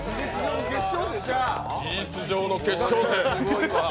事実上の決勝戦！